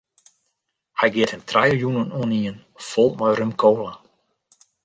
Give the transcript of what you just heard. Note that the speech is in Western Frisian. Hy geat him trije jûnen oanien fol mei rum-kola.